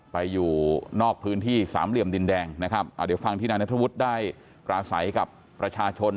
ไปอยู่นอกพื้นที่สามเหลี่ยมดินแดงนะครับอ่าเดี๋ยวฟังที่นายนัทธวุฒิได้ปราศัยกับประชาชน